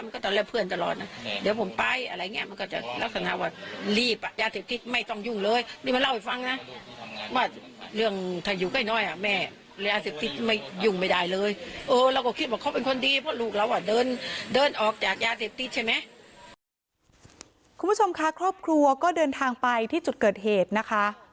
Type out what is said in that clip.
คุณผู้ชมค่ะครอบครัวก็เดินทางไปที่จุดเกิดเหตุนะคะ